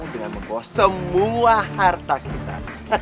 dengan membos semua harta kita